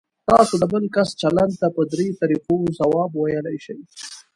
تاسو د بل کس چلند ته په درې طریقو ځواب ویلی شئ.